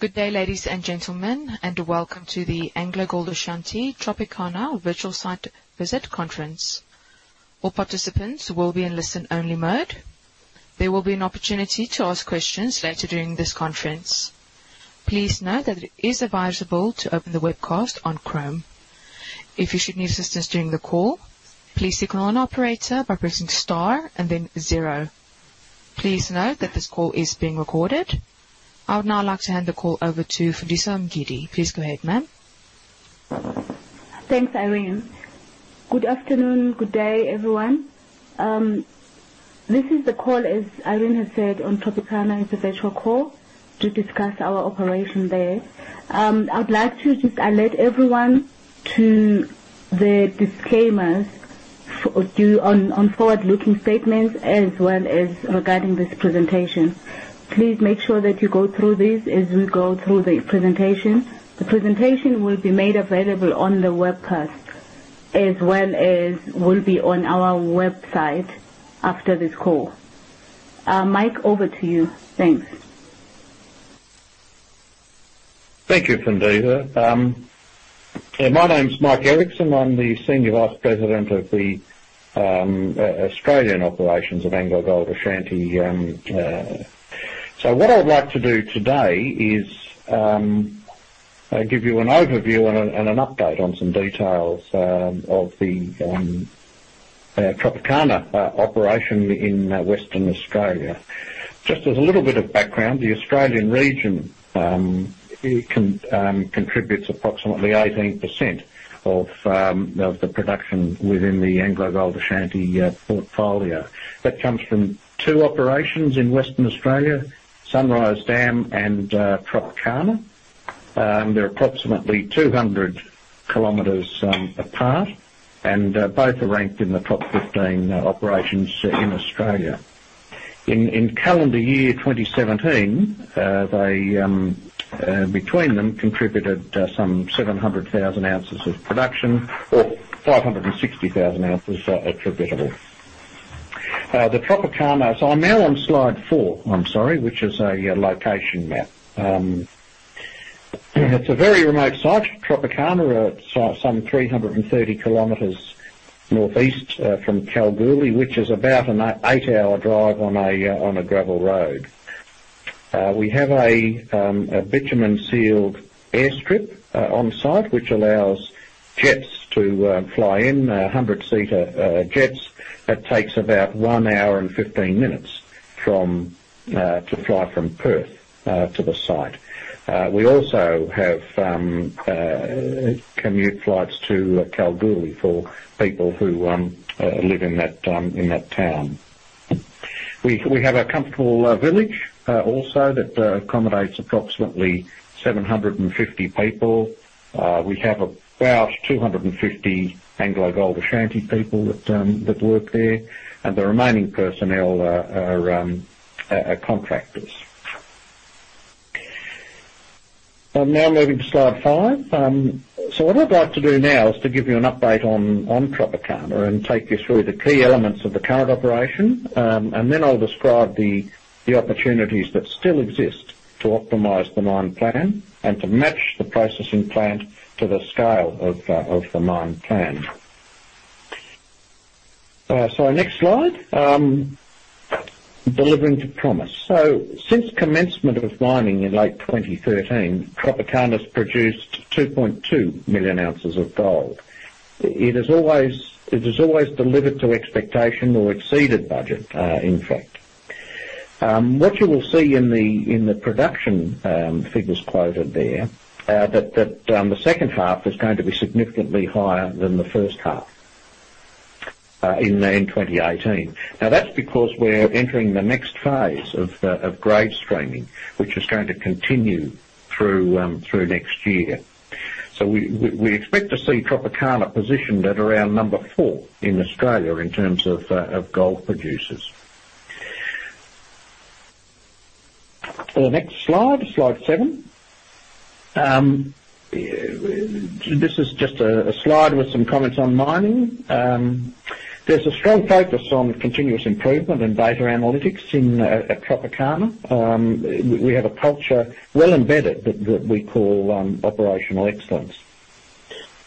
Good day, ladies and gentlemen, welcome to the AngloGold Ashanti Tropicana virtual site visit conference. All participants will be in listen only mode. There will be an opportunity to ask questions later during this conference. Please note that it is advisable to open the webcast on Chrome. If you should need assistance during the call, please signal an operator by pressing star and then zero. Please note that this call is being recorded. I would now like to hand the call over to Fundisa Mgidi. Please go ahead, ma'am. Thanks, Irene. Good afternoon. Good day, everyone. This is the call, as Irene has said, on Tropicana. It's a virtual call to discuss our operation there. I'd like to just alert everyone to the disclaimers on forward-looking statements as well as regarding this presentation. Please make sure that you go through this as we go through the presentation. The presentation will be made available on the webcast, as well as will be on our website after this call. Mike, over to you. Thanks. Thank you, Fundisa. My name's Mike Erickson. I'm the Senior Vice President of the Australian Operations of AngloGold Ashanti. What I'd like to do today is give you an overview and an update on some details of the Tropicana operation in Western Australia. Just as a little bit of background, the Australian region contributes approximately 18% of the production within the AngloGold Ashanti portfolio. That comes from two operations in Western Australia, Sunrise Dam and Tropicana. They're approximately 200 km apart, and both are ranked in the top 15 operations in Australia. In calendar year 2017, between them contributed some 700,000 ounces of production or 560,000 ounces attributable. I'm now on slide four, I'm sorry, which is a location map. It's a very remote site, Tropicana. Some 330 km northeast from Kalgoorlie, which is about an 8-hour drive on a gravel road. We have a bitumen-sealed airstrip on-site, which allows jets to fly in, 100-seater jets. That takes about 1 hour and 15 minutes to fly from Perth to the site. We also have commute flights to Kalgoorlie for people who live in that town. We have a comfortable village also that accommodates approximately 750 people. We have about 250 AngloGold Ashanti people that work there, and the remaining personnel are contractors. I'm now moving to slide five. What I'd like to do now is to give you an update on Tropicana and take you through the key elements of the current operation. I'll describe the opportunities that still exist to optimize the mine plan and to match the processing plant to the scale of the mine plan. Next slide, delivering to promise. Since commencement of mining in late 2013, Tropicana's produced 2.2 million ounces of gold. It has always delivered to expectation or exceeded budget, in fact. What you will see in the production figures quoted there, the second half is going to be significantly higher than the first half in 2018. That's because we're entering the next phase of grade streaming, which is going to continue through next year. We expect to see Tropicana positioned at around number 4 in Australia in terms of gold producers. The next slide seven. This is just a slide with some comments on mining. There's a strong focus on continuous improvement and data analytics at Tropicana. We have a culture well embedded that we call operational excellence.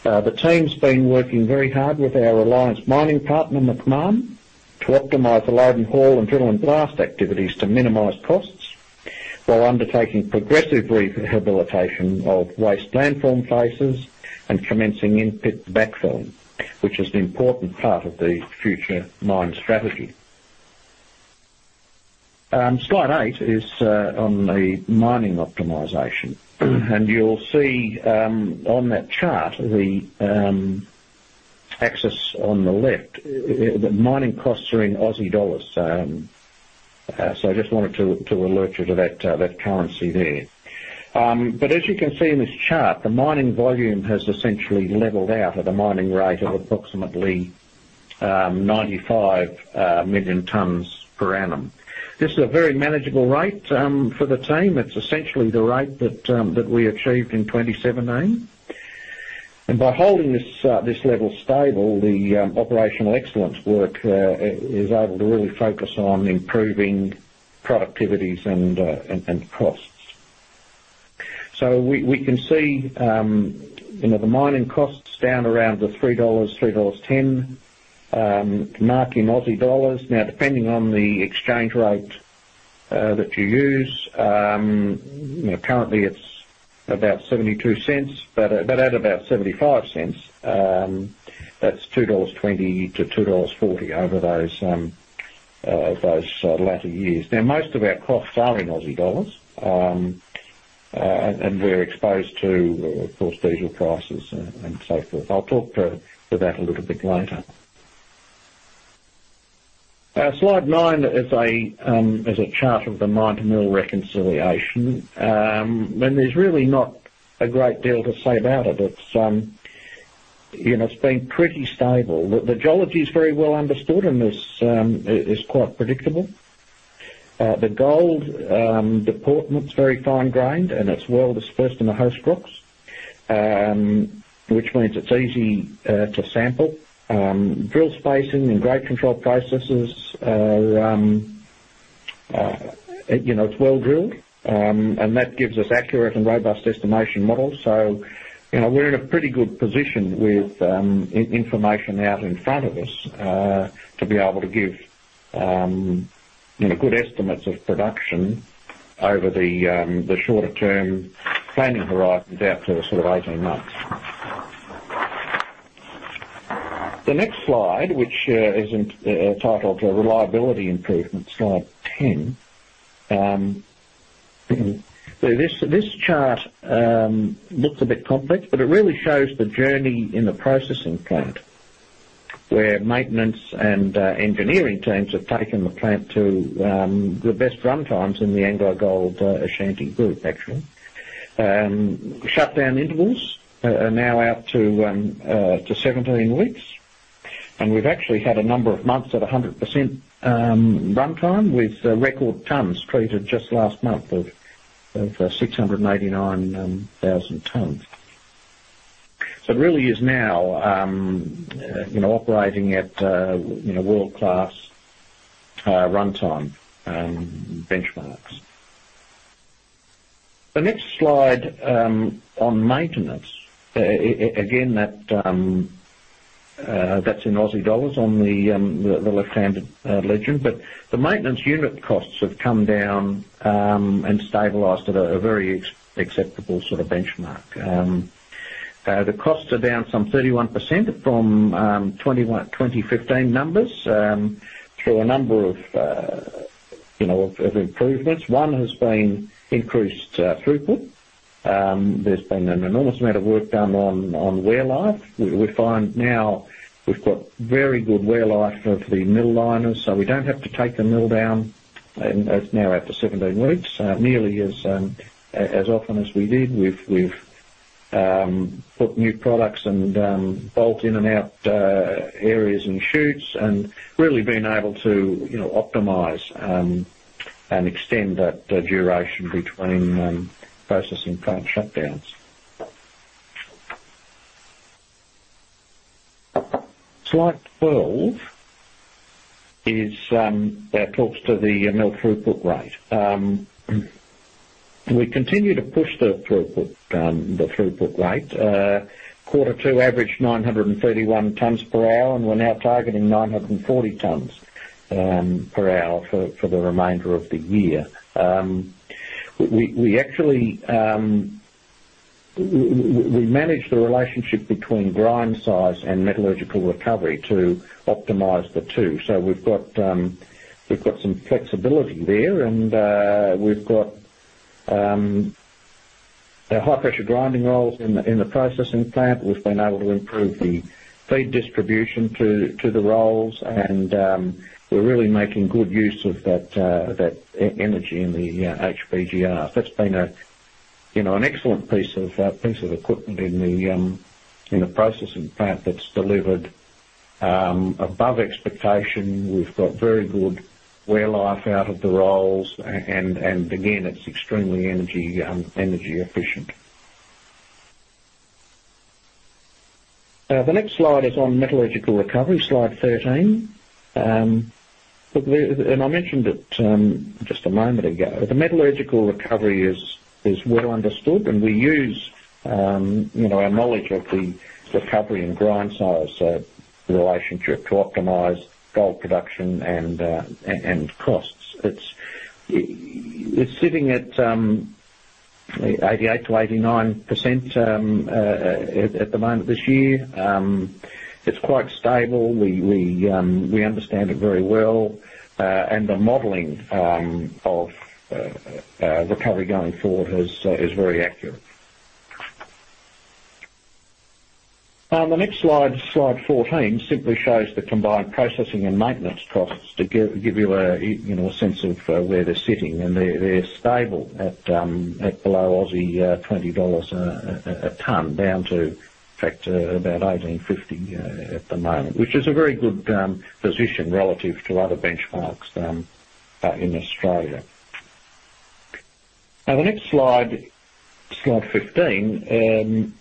The team's been working very hard with our alliance mining partner, Macmahon, to optimize the load and haul and drill and blast activities to minimize costs while undertaking progressive rehabilitation of waste landform faces and commencing in-pit backfill, which is an important part of the future mine strategy. Slide eight is on the mining optimization, and you'll see on that chart, the axis on the left, the mining costs are in AUD. I just wanted to alert you to that currency there. As you can see in this chart, the mining volume has essentially leveled out at a mining rate of approximately 95 million tons per annum. This is a very manageable rate for the team. It's essentially the rate that we achieved in 2017. By holding this level stable, the operational excellence work is able to really focus on improving productivities and costs. So we can see the mining costs down around the 3 dollars, 3.10 dollars mark in AUD. Depending on the exchange rate that you use, currently it's about 0.72, but at about 0.75, that's $2.20-$2.40 over those latter years. Most of our costs are in AUD, and we're exposed to, of course, diesel prices and so forth. I'll talk to that a little bit later. Slide nine is a chart of the mine-to-mill reconciliation. There's really not a great deal to say about it. It's been pretty stable. The geology is very well understood, and it's quite predictable. The gold deportment's very fine-grained, and it's well dispersed in the host rocks, which means it's easy to sample. Drill spacing and grade control processes, it's well-drilled, and that gives us accurate and robust estimation models. So, we're in a pretty good position with information out in front of us to be able to give good estimates of production over the shorter-term planning horizons out to sort of 18 months. The next slide, which is entitled Reliability Improvement, slide 10. This chart looks a bit complex, but it really shows the journey in the processing plant, where maintenance and engineering teams have taken the plant to the best runtimes in the AngloGold Ashanti group, actually. Shutdown intervals are now out to 17 weeks. And we've actually had a number of months at 100% runtime with record tons treated just last month of 689,000 tons. It really is now operating at world-class runtime benchmarks. The next slide on maintenance. Again, that is in AUD on the left-handed legend. The maintenance unit costs have come down and stabilized at a very acceptable sort of benchmark. The costs are down some 31% from 2015 numbers through a number of improvements. One has been increased throughput. There has been an enormous amount of work done on wear life. We find now we have got very good wear life of the mill liners, so we do not have to take the mill down, and it is now out to 17 weeks, nearly as often as we did. We have put new products and bolt in and out areas and chutes and really been able to optimize and extend that duration between processing plant shutdowns. Slide 12 talks to the mill throughput rate. We continue to push the throughput rate. Quarter 2 averaged 931 tonnes per hour, and we are now targeting 940 tonnes per hour for the remainder of the year. We manage the relationship between grind size and metallurgical recovery to optimize the two. We have got some flexibility there, and we have got high-pressure grinding rolls in the processing plant. We have been able to improve the feed distribution to the rolls, and we are really making good use of that energy in the HPGR. That has been an excellent piece of equipment in the processing plant that has delivered above expectation. We have got very good wear life out of the rolls, and again, it is extremely energy efficient. The next slide is on metallurgical recovery, slide 13. I mentioned it just a moment ago. The metallurgical recovery is well understood, and we use our knowledge of the recovery and grind size relationship to optimize gold production and costs. It is sitting at 88%-89% at the moment this year. It is quite stable. We understand it very well. The modeling of recovery going forward is very accurate. The next slide 14, simply shows the combined processing and maintenance costs to give you a sense of where they are sitting. They are stable at below 20 dollars a tonne down to, in fact, about 18.50 at the moment, which is a very good position relative to other benchmarks in Australia. The next slide 15,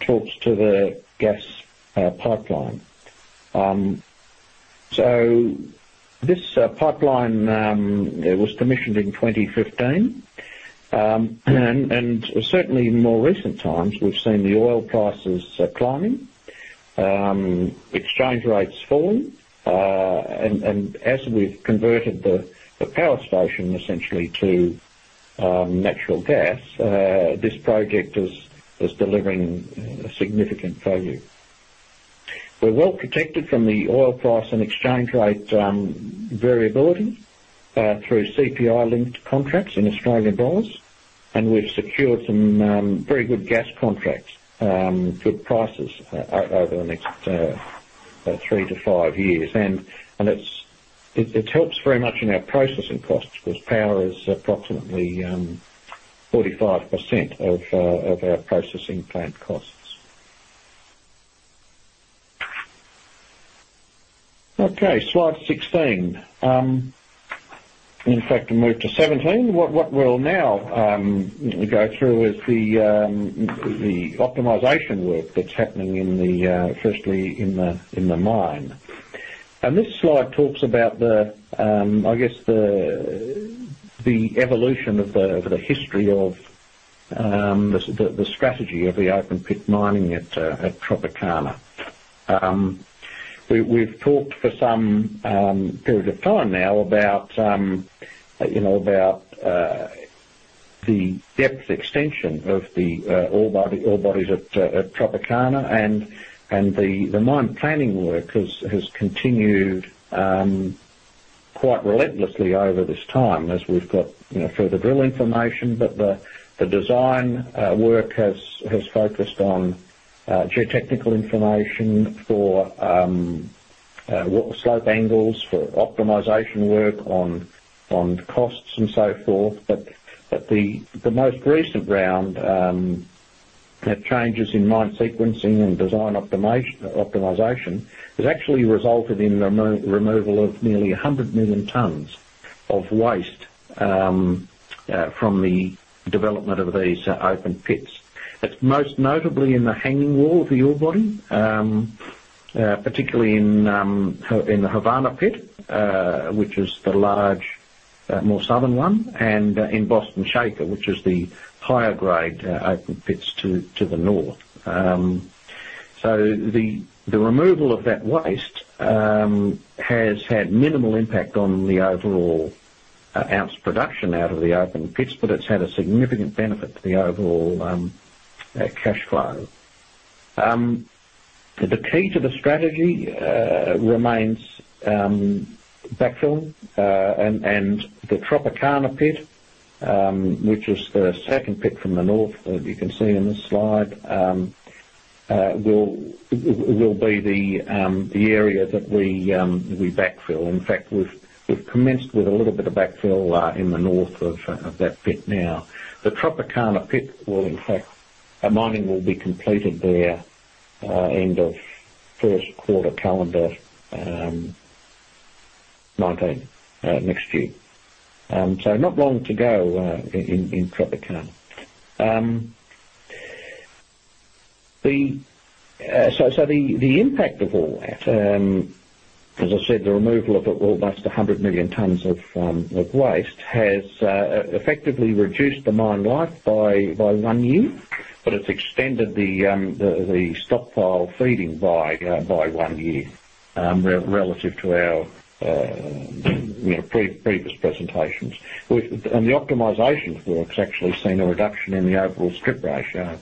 talks to the gas pipeline. This pipeline was commissioned in 2015. Certainly in more recent times, we have seen the oil prices climbing, exchange rates falling. As we have converted the power station essentially to natural gas, this project is delivering a significant value. We are well-protected from the oil price and exchange rate variability through CPI-linked contracts in AUD. We have secured some very good gas contracts, good prices over the next three to five years. It helps very much in our processing costs because power is approximately 45% of our processing plant costs. Slide 16. In fact, move to 17. What we will now go through is the optimization work that is happening firstly in the mine. This slide talks about the evolution of the history of the strategy of the open pit mining at Tropicana. We have talked for some period of time now about the depth extension of the ore bodies at Tropicana. The mine planning work has continued quite relentlessly over this time as we have got further drill information. The design work has focused on geotechnical information for slope angles, for optimization work on costs and so forth. The most recent round had changes in mine sequencing and design optimization, has actually resulted in the removal of nearly 100 million tons of waste from the development of these open pits. It's most notably in the hanging wall of the ore body, particularly in the Havana pit, which is the large, more southern one, and in Boston Shaker, which is the higher grade open pits to the north. The removal of that waste has had minimal impact on the overall ounce production out of the open pits, but it's had a significant benefit to the overall cash flow. The key to the strategy remains backfill. The Tropicana pit, which is the second pit from the north that you can see in this slide, will be the area that we backfill. In fact, we've commenced with a little bit of backfill in the north of that pit now. The Tropicana pit will, in fact, mining will be completed there end of first quarter calendar 2019, next year. Not long to go in Tropicana. The impact of all that, as I said, the removal of almost 100 million tons of waste has effectively reduced the mine life by one year, but it's extended the stockpile feeding by one year relative to our previous presentations. The optimization work's actually seen a reduction in the overall strip ratio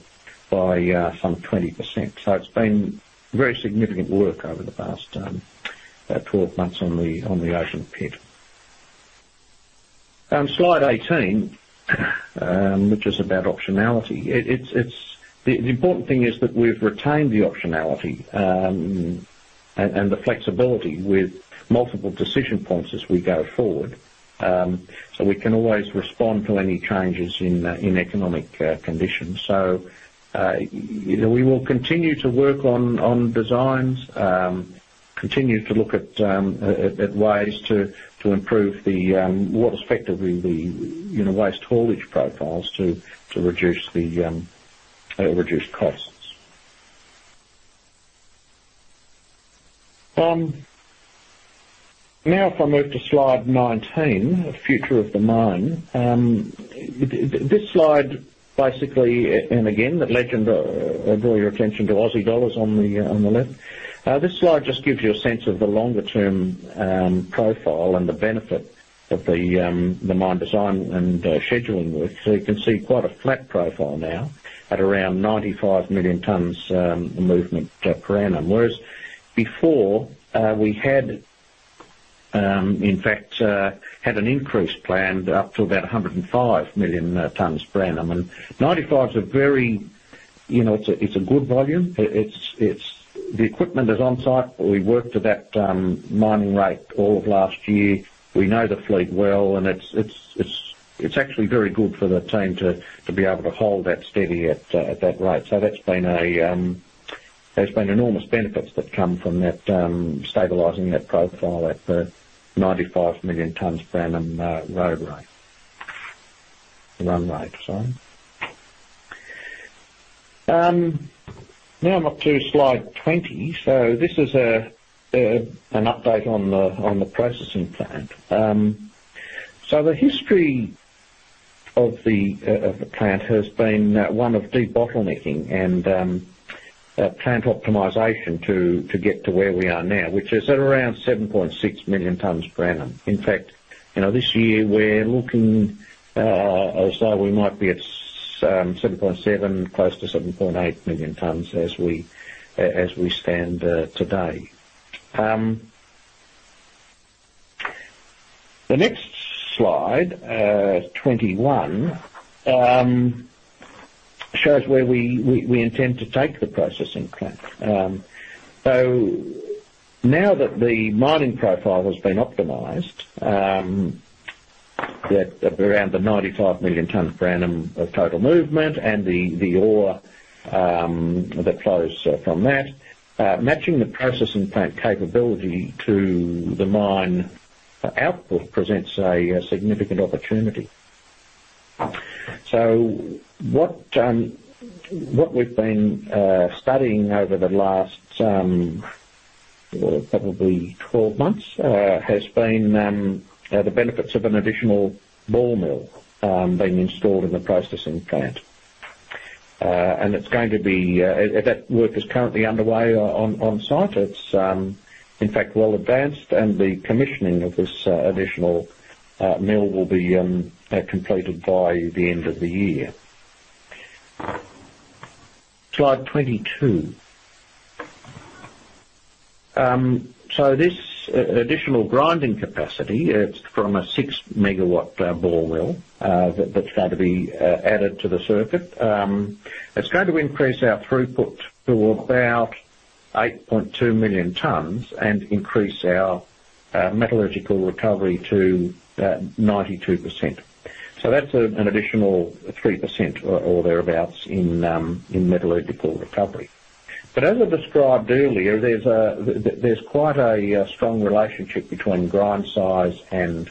by some 20%. It's been very significant work over the past 12 months on the open pit. Slide 18, which is about optionality. The important thing is that we've retained the optionality and the flexibility with multiple decision points as we go forward. We can always respond to any changes in economic conditions. We will continue to work on designs, continue to look at ways to improve what's effectively the waste haulage profiles to reduce costs. Now, if I move to slide 19, future of the mine. This slide basically, and again, the legend, I draw your attention to Aussie dollars on the left. This slide just gives you a sense of the longer-term profile and the benefit of the mine design and scheduling work. You can see quite a flat profile now at around 95 million tons movement per annum. Whereas before, we had in fact had an increase planned up to about 105 million tons per annum. 95 is a very good volume. The equipment is on-site. We worked at that mining rate all of last year. We know the fleet well, it's actually very good for the team to be able to hold that steady at that rate. There's been enormous benefits that come from stabilizing that profile at the 95 million tons per annum run rate. Now I'm up to slide 20. This is an update on the processing plant. The history of the plant has been one of de-bottlenecking and plant optimization to get to where we are now, which is at around 7.6 million tons per annum. In fact, this year we're looking as though we might be at 7.7, close to 7.8 million tons as we stand today. The next slide 21 shows where we intend to take the processing plant. Now that the mining profile has been optimized, at around 95 million tons per annum of total movement and the ore that flows from that, matching the processing plant capability to the mine output presents a significant opportunity. What we've been studying over the last, probably 12 months, has been the benefits of an additional ball mill being installed in the processing plant. That work is currently underway on site. It's, in fact, well advanced and the commissioning of this additional mill will be completed by the end of the year. Slide 22. This additional grinding capacity, it's from a 6 megawatt ball mill that's going to be added to the circuit. It's going to increase our throughput to about 8.2 million tons and increase our metallurgical recovery to 92%. That's an additional 3% or thereabouts in metallurgical recovery. As I described earlier, there's quite a strong relationship between grind size and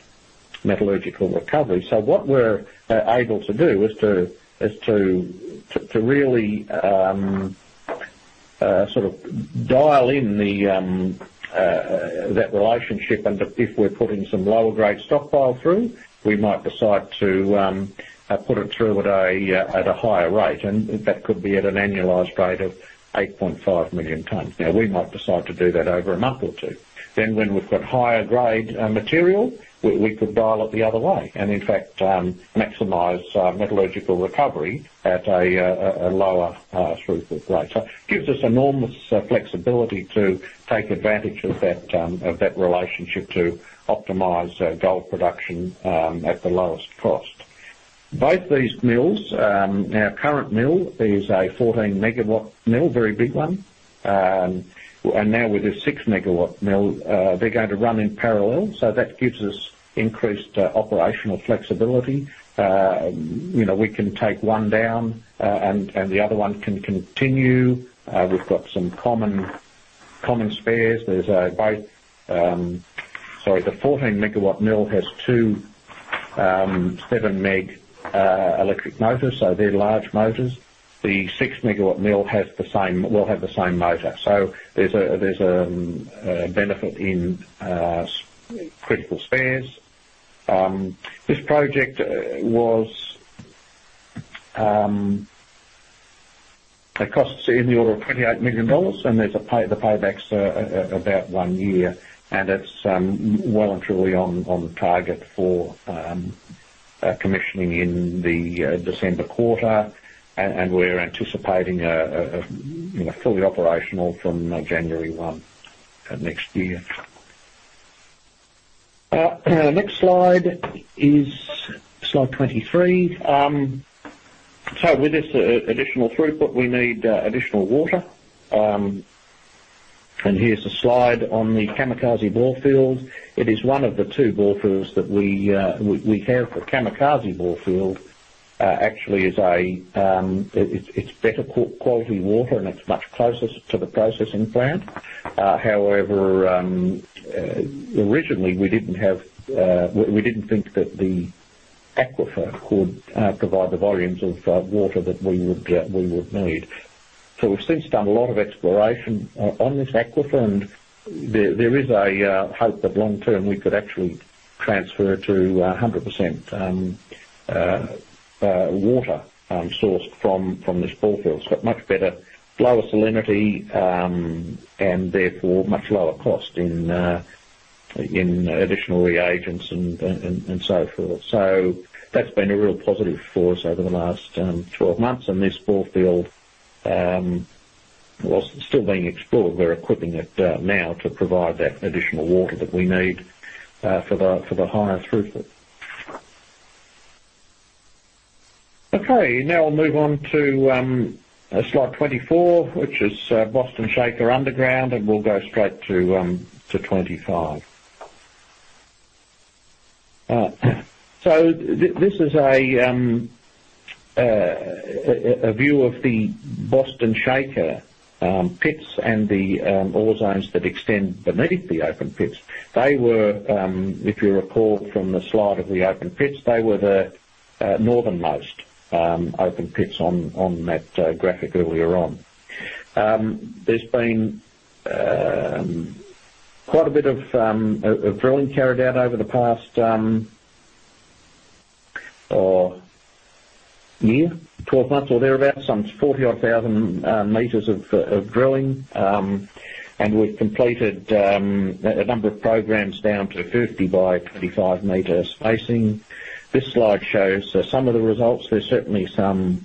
metallurgical recovery. What we're able to do is to really sort of dial in that relationship. If we're putting some lower grade stockpile through, we might decide to put it through at a higher rate, and that could be at an annualized rate of 8.5 million tons. We might decide to do that over a month or two. When we've got higher grade material, we could dial it the other way and, in fact, maximize metallurgical recovery at a lower throughput rate. It gives us enormous flexibility to take advantage of that relationship to optimize gold production at the lowest cost. Both these mills, our current mill is a 14-megawatt mill, a very big one. With a 6-megawatt mill, they're going to run in parallel. That gives us increased operational flexibility. We can take one down, and the other one can continue. We've got some common spares. The 14-megawatt mill has two 7-meg electric motors. They're large motors. The 6-megawatt mill will have the same motor. There's a benefit in critical spares. This project costs in the order of $28 million, and the payback's about one year, and it's well and truly on target for commissioning in the December quarter. We're anticipating fully operational from January 1 next year. Our next slide is slide 23. With this additional throughput, we need additional water. Here's a slide on the Kamikaze borefield. It is one of the two borefields that we have. The Kamikaze borefield actually, it's better quality water, and it's much closer to the processing plant. However, originally we didn't think that the aquifer could provide the volumes of water that we would need. We've since done a lot of exploration on this aquifer, and there is a hope that long-term, we could actually transfer to 100% water sourced from this borefield. It's got much better, lower salinity, and therefore much lower cost in additional reagents and so forth. That's been a real positive for us over the last 12 months. This borefield, while still being explored, we're equipping it now to provide that additional water that we need for the higher throughput. I'll move on to slide 24, which is Boston Shaker underground, and we'll go straight to 25. This is a view of the Boston Shaker pits and the ore zones that extend beneath the open pits. If you recall from the slide of the open pits, they were the northernmost open pits on that graphic earlier on. There's been quite a bit of drilling carried out over the past year, 12 months or thereabout, some 40-odd thousand meters of drilling. We've completed a number of programs down to 50 by 25-meter spacing. This slide shows some of the results. There's certainly some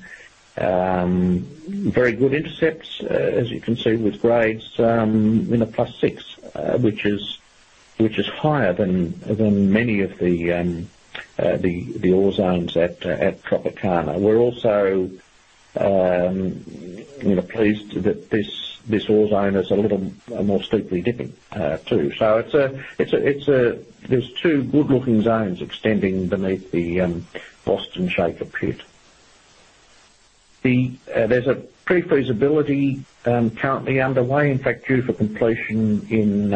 very good intercepts, as you can see, with grades in the plus six, which is higher than many of the ore zones at Tropicana. We're also pleased that this ore zone is a little more steeply dipping too. There's two good-looking zones extending beneath the Boston Shaker pit. There's a pre-feasibility currently underway, in fact, due for completion in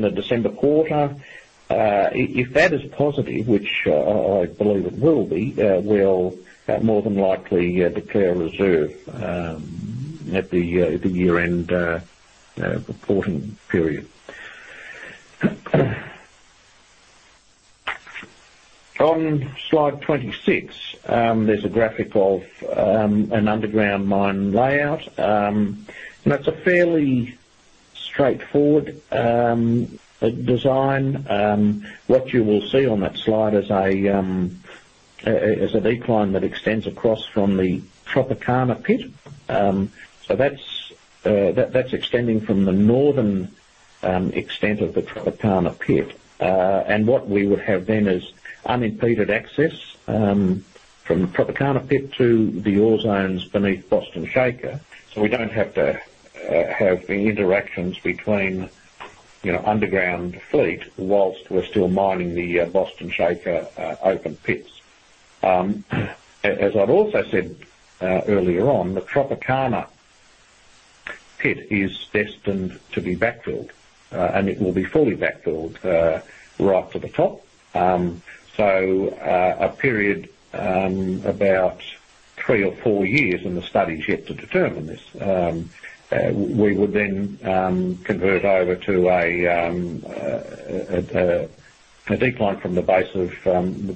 the December quarter. If that is positive, which I believe it will be, we'll more than likely declare a reserve at the year-end reporting period. On slide 26, there's a graphic of an underground mine layout. That's a fairly straightforward design. What you will see on that slide is a decline that extends across from the Tropicana pit. That's extending from the northern extent of the Tropicana pit. What we would have then is unimpeded access from the Tropicana pit to the ore zones beneath Boston Shaker. We don't have to have interactions between underground fleet whilst we're still mining the Boston Shaker open pits. As I've also said earlier on, the Tropicana pit is destined to be backfilled, and it will be fully backfilled right to the top. A period about three or four years, and the study is yet to determine this. We would convert over to a decline from the base of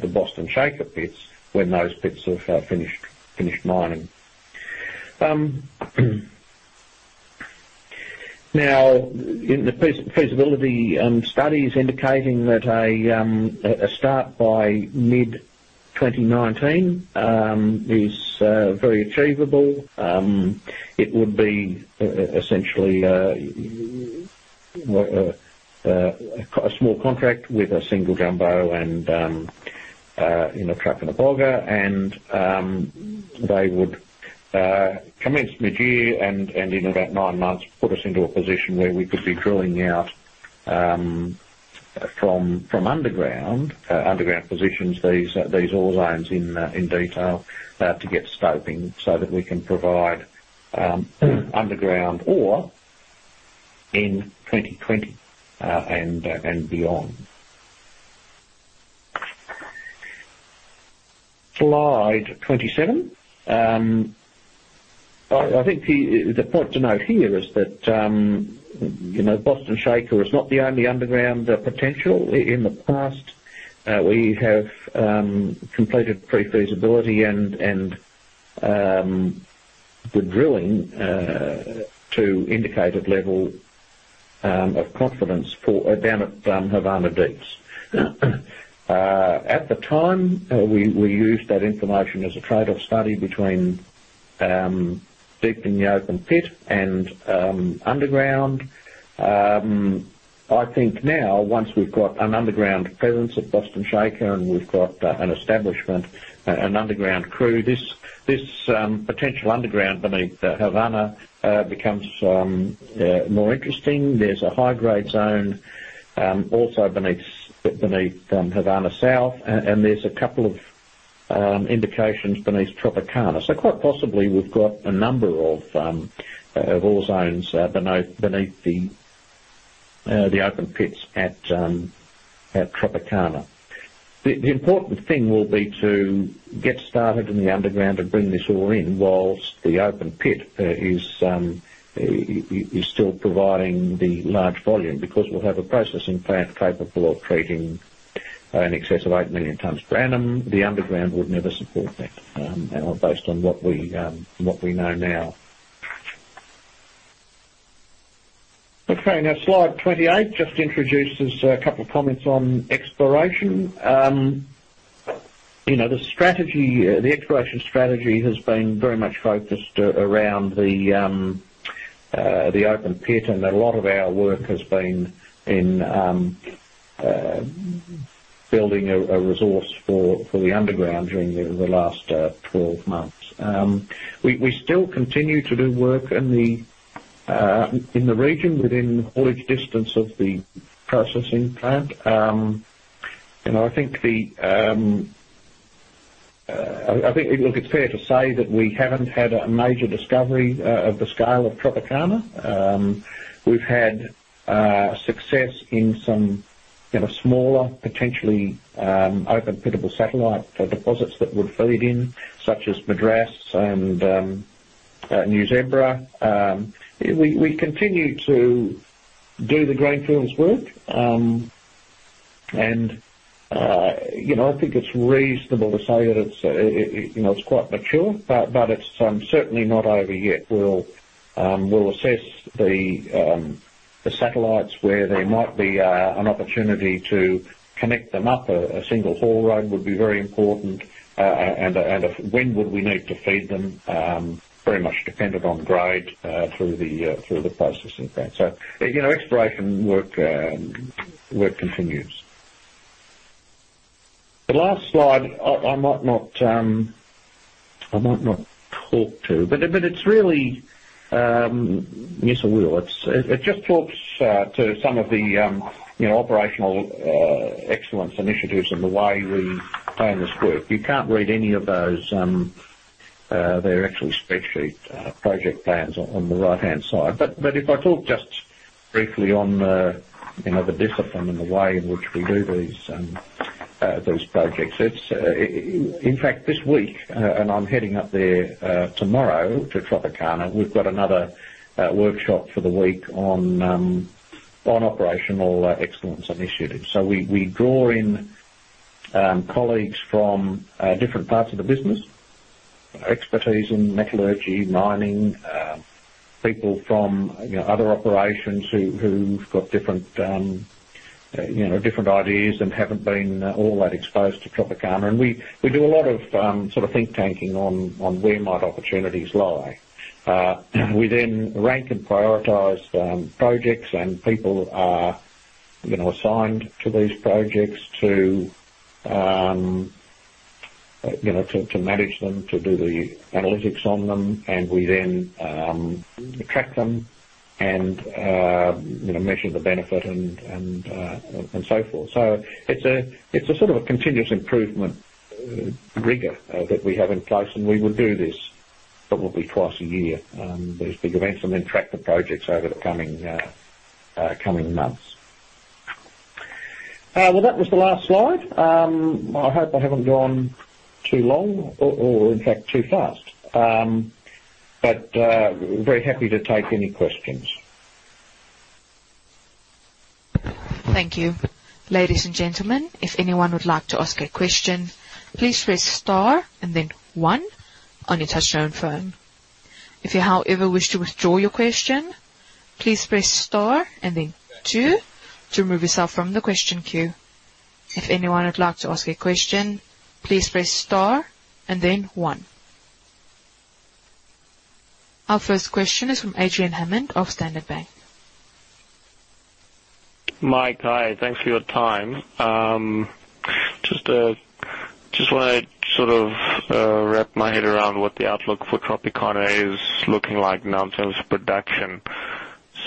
the Boston Shaker pits when those pits have finished mining. The feasibility study is indicating that a start by mid 2019 is very achievable. It would be essentially a small contract with a single jumbo and a truck and a bogger, they would commence mid-year and in about nine months, put us into a position where we could be drilling out from underground positions, these ore zones in detail to get scoping that we can provide underground ore in 2020 and beyond. Slide 27. I think the point to note here is that Boston Shaker is not the only underground potential. In the past, we have completed pre-feasibility and the drilling to indicated level of confidence down at Havana Deeps. At the time, we used that information as a trade-off study between deepening the open pit and underground. I think once we've got an underground presence at Boston Shaker, we've got an establishment, an underground crew, this potential underground beneath Havana becomes more interesting. There's a high-grade zone also beneath Havana South, and there's a couple of indications beneath Tropicana. Quite possibly, we've got a number of ore zones beneath the open pits at Tropicana. The important thing will be to get started in the underground and bring this all in whilst the open pit is still providing the large volume, because we'll have a processing plant capable of treating in excess of 8 million tons per annum. The underground would never support that based on what we know now. Slide 28 just introduces a couple of comments on exploration. The exploration strategy has been very much focused around the open pit, and a lot of our work has been in building a resource for the underground during the last 12 months. We still continue to do work in the region within haulage distance of the processing plant. I think it's fair to say that we haven't had a major discovery of the scale of Tropicana. We've had success in some smaller, potentially open-pittable satellite deposits that would feed in, such as Madras and New Zebra. We continue to do the greenfields work. I think it's reasonable to say that it's quite mature, but it's certainly not over yet. We'll assess the satellites where there might be an opportunity to connect them up. A single haul road would be very important. When would we need to feed them? Very much dependent on grade through the processing plant. Exploration work continues. The last slide, I might not talk to. Yes, I will. It just talks to some of the operational excellence initiatives and the way we plan this work. You can't read any of those. They're actually spreadsheet project plans on the right-hand side. If I talk just briefly on the discipline and the way in which we do these projects. In fact, this week, I'm heading up there tomorrow to Tropicana, we've got another workshop for the week on operational excellence initiatives. We draw in colleagues from different parts of the business. Expertise in metallurgy, mining. People from other operations who've got different ideas and haven't been all that exposed to Tropicana. We do a lot of think-tanking on where might opportunities lie. We rank and prioritize projects, people are assigned to these projects to manage them, to do the analytics on them, we then track them and measure the benefit, and so forth. It's a sort of a continuous improvement rigor that we have in place, we would do this probably twice a year, these big events, we then track the projects over the coming months. That was the last slide. I hope I haven't gone too long or, in fact, too fast. Very happy to take any questions. Thank you. Ladies and gentlemen, if anyone would like to ask a question, please press star and then one on your touch-tone phone. If you, however, wish to withdraw your question, please press star and then two to remove yourself from the question queue. If anyone would like to ask a question, please press star and then one. Our first question is from Adrian Hammond of SBG Securities. Mike, hi. Thanks for your time. Just want to sort of wrap my head around what the outlook for Tropicana is looking like now in terms of production.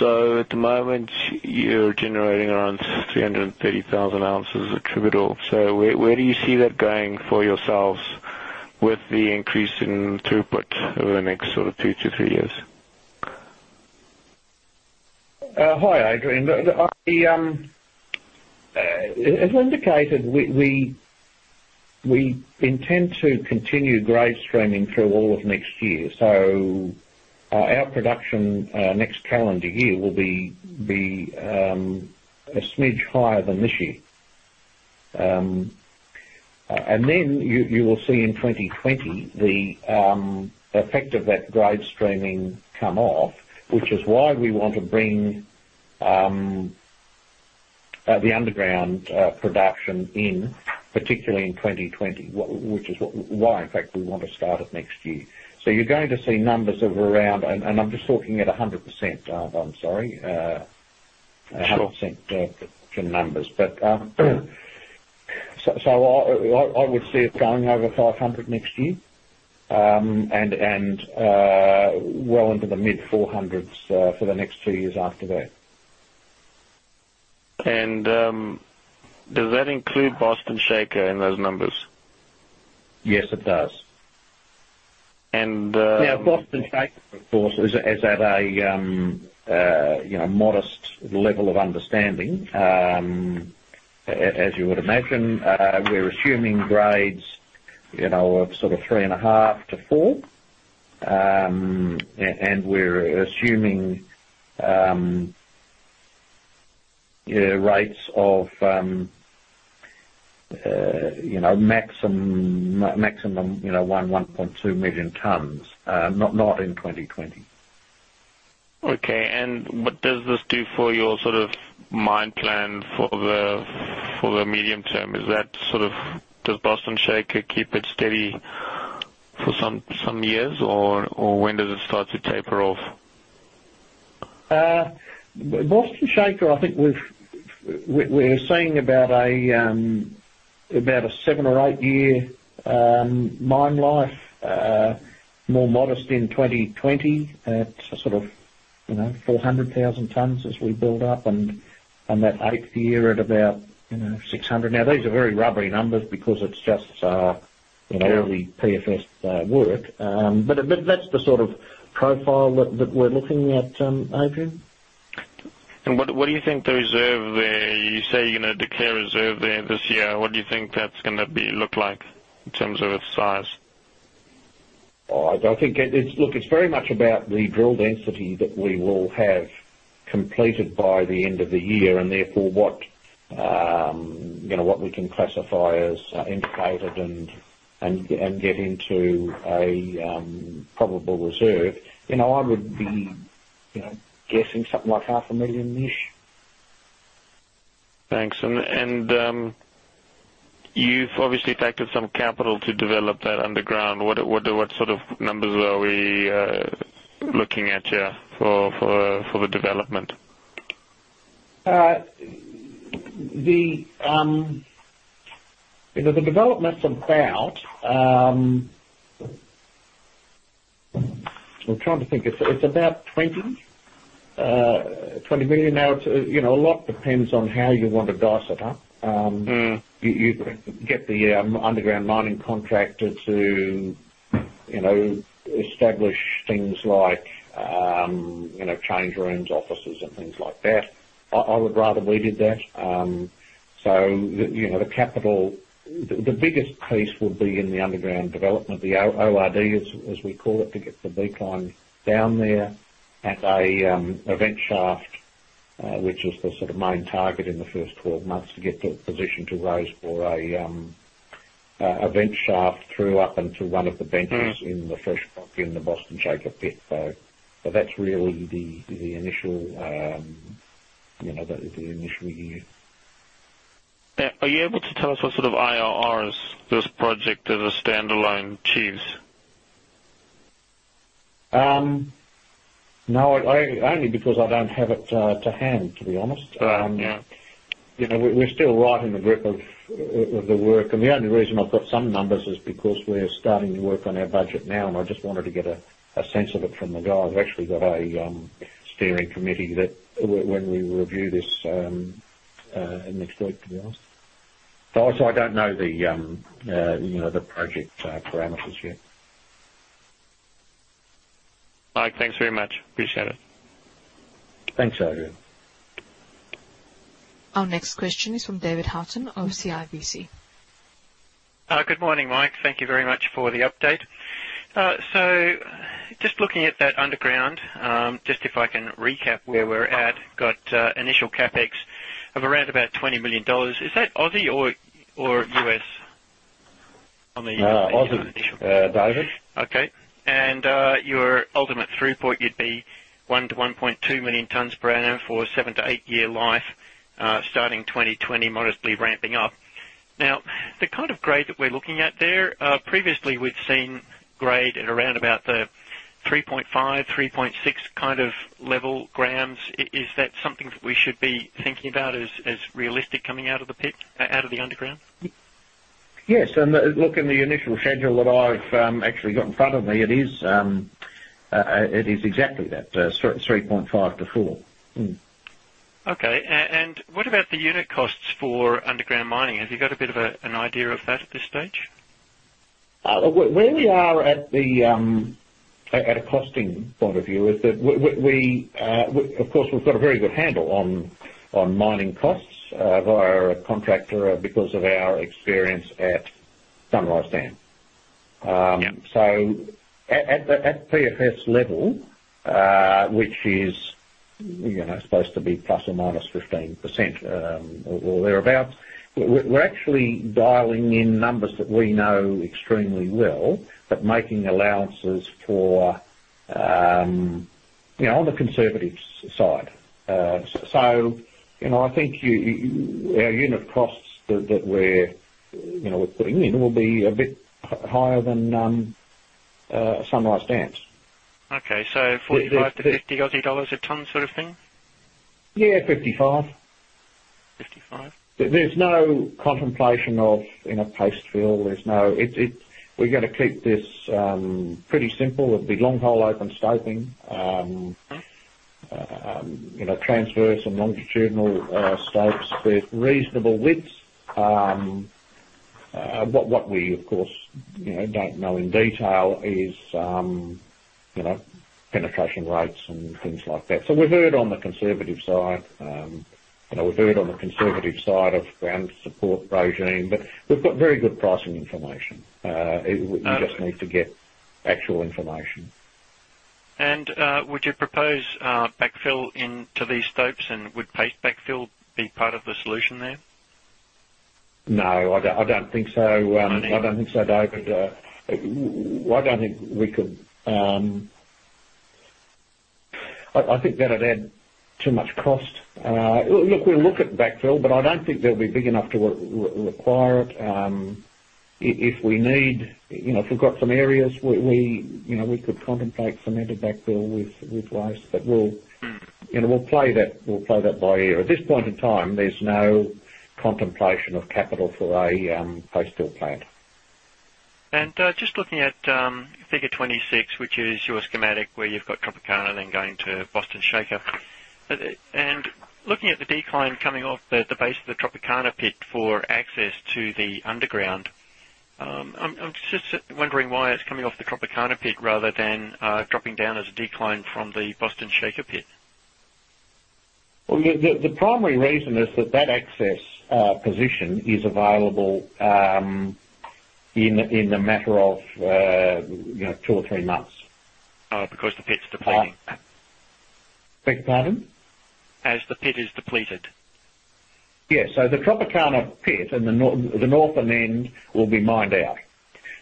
At the moment, you're generating around 330,000 ounces attributable. Where do you see that going for yourselves with the increase in throughput over the next sort of two to three years? Hi, Adrian. As indicated, we intend to continue grade streaming through all of next year, our production next calendar year will be a smidge higher than this year. You will see in 2020 the effect of that grade streaming come off, which is why we want to bring the underground production in, particularly in 2020, which is why, in fact, we want to start it next year. You're going to see numbers of around, and I'm just talking at 100%, I'm sorry. Sure. 100% production numbers. I would see it going over 500 next year, and well into the mid-four hundreds for the next two years after that. Does that include Boston Shaker in those numbers? Yes, it does. And- Boston Shaker, of course, is at a modest level of understanding. As you would imagine, we're assuming grades of sort of three and a half to four. We're assuming rates of maximum 1.2 million tons, not in 2020. Okay. What does this do for your sort of mine plan for the medium term? Does Boston Shaker keep it steady for some years, or when does it start to taper off? Boston Shaker, I think we're seeing about a seven or eight-year mine life, more modest in 2020 at 400,000 tons as we build up, and that eighth year at about 600. These are very rubbery numbers. Yeah early PFS work. That's the sort of profile that we're looking at, Adrian. What do you think the reserve there, you say you're going to declare a reserve there this year, what do you think that's going to look like in terms of its size? I think, look, it's very much about the drill density that we will have completed by the end of the year, and therefore, what we can classify as indicated and get into a probable reserve. I would be guessing something like half a million-ish. Thanks. You've obviously taken some capital to develop that underground. What sort of numbers are we looking at here for the development? The development's about, I'm trying to think. It's about $20 million. A lot depends on how you want to dice it up. You get the underground mining contractor to establish things like change rooms, offices, and things like that. I would rather we did that. The capital, the biggest piece would be in the underground development, the ORD, as we call it, to get the decline down there. A vent shaft, which is the sort of main target in the first 12 months to get to a position to raise for a vent shaft through up into one of the benches. in the fresh rock in the Boston Shaker Pit. That's really the initial year. Are you able to tell us what sort of IRRs this project as a standalone achieves? No. Only because I don't have it to hand, to be honest. Oh, yeah. We're still right in the grip of the work, and the only reason I've got some numbers is because we're starting to work on our budget now, and I just wanted to get a sense of it from the guys. I've actually got a steering committee that when we review this next week, to be honest. I don't know the project parameters yet. Mike, thanks very much. Appreciate it. Thanks, Adrian. Our next question is from David Houghton of CIBC. Good morning, Mike. Thank you very much for the update. Just looking at that underground, just if I can recap where we're at. Got initial CapEx of around about $20 million. Is that Aussie or U.S. on the No, Aussie Initial- David. Your ultimate throughput would be 1 to 1.2 million tons per annum for a 7 to 8-year life, starting 2020, modestly ramping up. The kind of grade that we're looking at there, previously we've seen grade at around about the 3.5, 3.6 kind of level grams. Is that something that we should be thinking about as realistic coming out of the pit, out of the underground? Yes. Look, in the initial schedule that I've actually got in front of me, it is exactly that, 3.5 to 4. Okay. What about the unit costs for underground mining? Have you got a bit of an idea of that at this stage? Where we are at a costing point of view, of course, we've got a very good handle on mining costs via our contractor because of our experience at Sunrise Dam. Yep. At PFS level, which is supposed to be plus or minus 15% or thereabout, we're actually dialing in numbers that we know extremely well, but making allowances on the conservative side. I think our unit costs that we're putting in will be a bit higher than Sunrise Dam's. Okay. 45-50 Aussie dollars a ton sort of thing? Yeah, 55. Fifty-five. There's no contemplation of paste fill. We're going to keep this pretty simple. It'll be long hole open stoping. Okay. Transverse and longitudinal stopes with reasonable widths. What we, of course, don't know in detail is penetration rates and things like that. We're very on the conservative side of ground support regime, we've got very good pricing information. Okay. We just need to get actual information. Would you propose backfill into these stopes, and would paste backfill be part of the solution there? No, I don't think so. Okay. I don't think so, David. I think that'd add too much cost. We'll look at backfill, but I don't think they'll be big enough to require it. If we've got some areas, we could contemplate cemented backfill with waste, but we'll play that by ear. At this point in time, there's no contemplation of capital for a paste fill plant. Just looking at figure 26, which is your schematic where you've got Tropicana then going to Boston Shaker. Looking at the decline coming off the base of the Tropicana pit for access to the underground, I'm just wondering why it's coming off the Tropicana pit rather than dropping down as a decline from the Boston Shaker pit. The primary reason is that that access position is available in a matter of two or three months. Because the pit's depleting. Beg your pardon? As the pit is depleted. Yes. The Tropicana pit and the northern end will be mined out.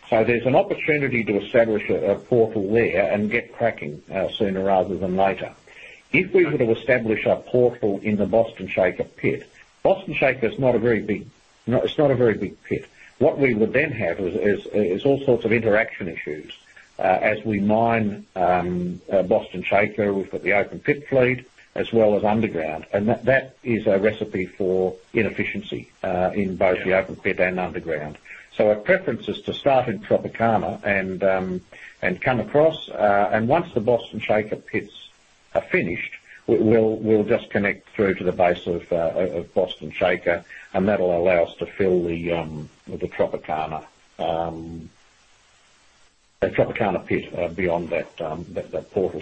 There is an opportunity to establish a portal there and get cracking sooner rather than later. If we were to establish a portal in the Boston Shaker pit, Boston Shaker, it's not a very big pit. What we would then have is all sorts of interaction issues. As we mine Boston Shaker, we've got the open pit fleet as well as underground. That is a recipe for inefficiency in both the open pit and underground. Our preference is to start in Tropicana and come across. Once the Boston Shaker pits are finished, we'll just connect through to the base of Boston Shaker, and that'll allow us to fill the Tropicana pit beyond that portal.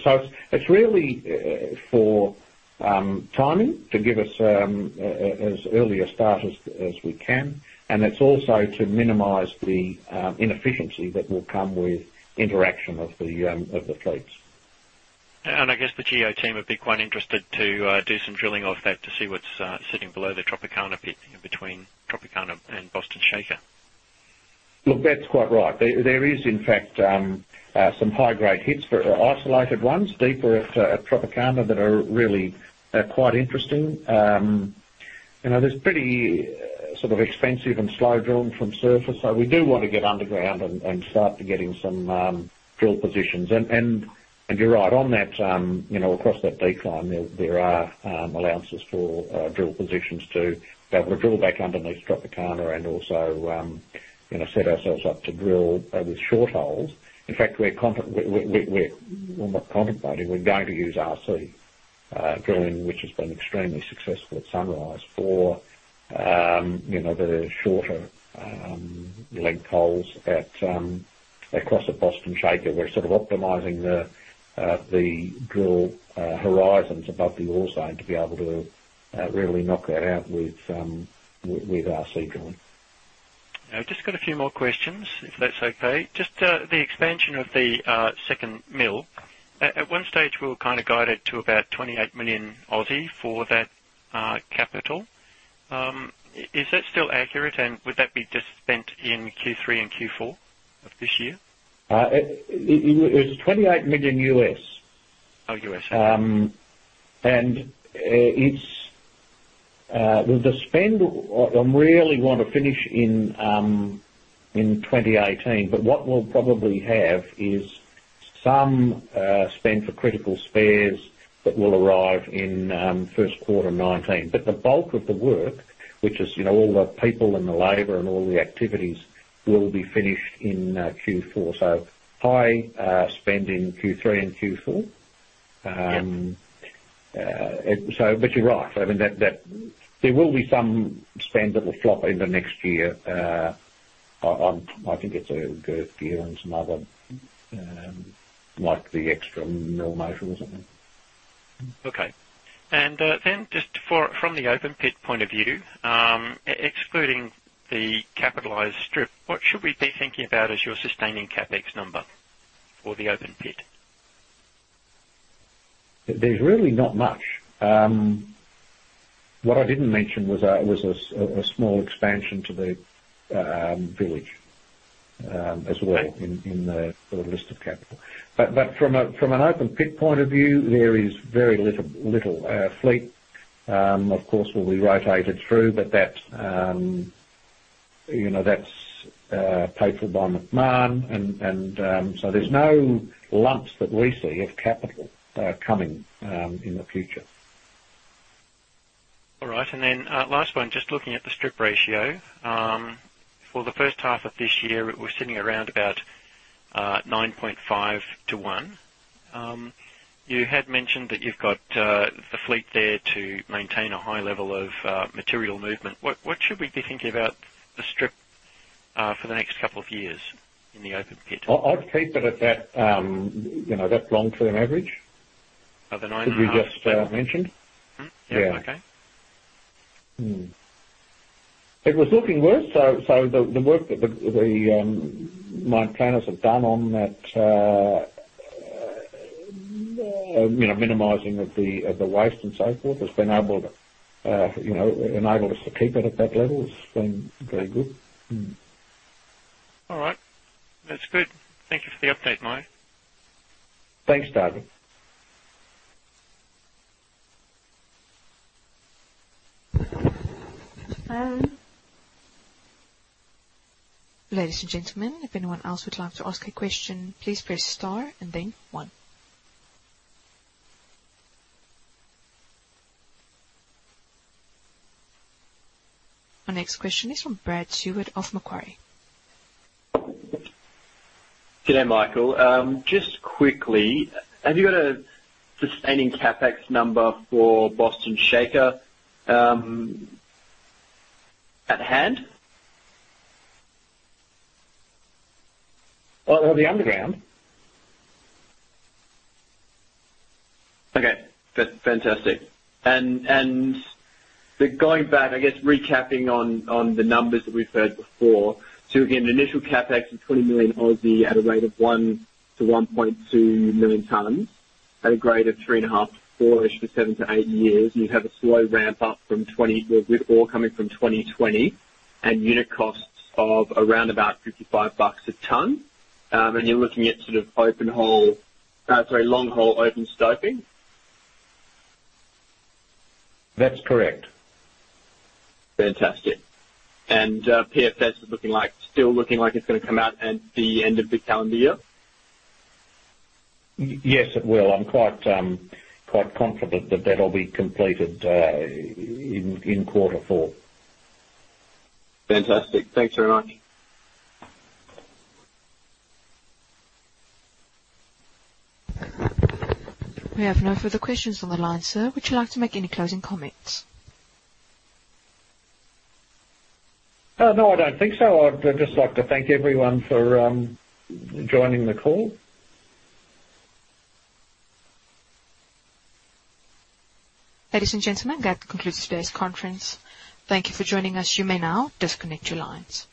It's really for timing to give us as early a start as we can. It's also to minimize the inefficiency that will come with interaction of the fleets. I guess the geo team would be quite interested to do some drilling off that to see what's sitting below the Tropicana pit in between Tropicana and Boston Shaker. Look, that's quite right. There is, in fact, some high-grade hits, but isolated ones deeper at Tropicana that are really quite interesting. There's pretty sort of expensive and slow drilling from surface. We do want to get underground and start getting some drill positions. You're right. Across that decline, there are allowances for drill positions to be able to drill back underneath Tropicana and also set ourselves up to drill with short holes. In fact, we're not contemplating, we're going to use RC drilling, which has been extremely successful at Sunrise for the shorter length holes across the Boston Shaker. We're sort of optimizing the drill horizons above the ore zone to be able to really knock that out with RC drilling. I've just got a few more questions, if that's okay. Just the expansion of the second mill. At one stage, we were kind of guided to about 28 million for that capital. Is that still accurate, and would that be just spent in Q3 and Q4 of this year? It's $28 million. Oh, U.S. The spend, I really want to finish in 2018, what we'll probably have is some spend for critical spares that will arrive in first quarter 2019. The bulk of the work, which is all the people and the labor and all the activities, will be finished in Q4. High spend in Q3 and Q4. Yeah. You're right. There will be some spend that will flop into next year. I think it's a gear and some other, like the extra mill motor or something. Okay. Just from the open-pit point of view, excluding the capitalized strip, what should we be thinking about as your sustaining CapEx number for the open pit? There's really not much. What I didn't mention was a small expansion to the village as well in the list of capital. From an open-pit point of view, there is very little. Fleet, of course, will be rotated through, but that's paid for by Macmahon. There's no lumps that we see of capital coming in the future. All right. Last one, just looking at the strip ratio. For the first half of this year, we're sitting around about 9.5 to one. You had mentioned that you've got the fleet there to maintain a high level of material movement. What should we be thinking about the strip for the next couple of years in the open pit? I'd keep it at that long-term average. Of the nine and a half? That we just mentioned. Yeah. Okay. It was looking worse. The work that the mine planners have done on that minimizing of the waste and so forth has enabled us to keep it at that level. It's been very good. All right. That's good. Thank you for the update, Mike. Thanks, David. Hello. Ladies and gentlemen, if anyone else would like to ask a question, please press star and then one. Our next question is from [Brad Sheed] of Macquarie. G'day, Mike. Just quickly, have you got a sustaining CapEx number for Boston Shaker at hand? Of the underground? Okay. Fantastic. Going back, I guess recapping on the numbers that we've heard before. Again, initial CapEx of 20 million at a rate of 1 million-1.2 million tons at a grade of three and a half to four-ish for 7-8 years. You have a slow ramp up with ore coming from 2020 and unit costs of around about 55 bucks a ton. You're looking at sort of long-hole open stoping? That's correct. Fantastic. PFS is still looking like it's going to come out at the end of the calendar year? Yes, it will. I'm quite confident that that'll be completed in quarter four. Fantastic. Thanks very much. We have no further questions on the line, sir. Would you like to make any closing comments? No, I don't think so. I'd just like to thank everyone for joining the call. Ladies and gentlemen, that concludes today's conference. Thank you for joining us. You may now disconnect your lines.